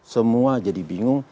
semua jadi bingung